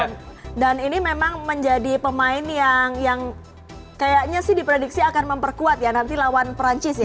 jadi ini memang menjadi pemain yang kayaknya sih diprediksi akan memperkuat ya nanti lawan perancis ya